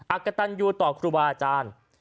๑อักตัญอยู่ต่อครูบราชาญ